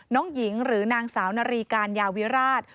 น้องหญิงหรือนางสาวนารีการยาวิราช